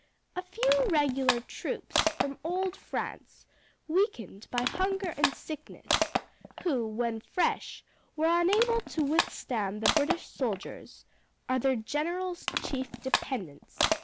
A few regular troops from old France, weakened by hunger and sickness, who, when fresh, were unable to withstand the British soldiers, are their generalŌĆÖs chief dependence.